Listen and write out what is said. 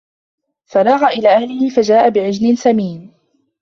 فَراغَ إِلى أَهلِهِ فَجاءَ بِعِجلٍ سَمينٍ